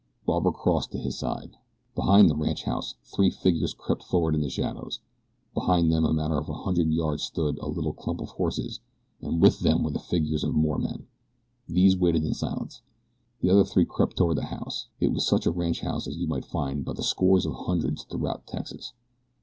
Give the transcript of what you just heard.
Barbara crossed the room to his side. Behind the ranchhouse three figures crept forward in the shadows. Behind them a matter of a hundred yards stood a little clump of horses and with them were the figures of more men. These waited in silence. The other three crept toward the house. It was such a ranchhouse as you might find by the scores or hundreds throughout Texas.